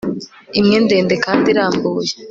imwe ndende kandi irambuye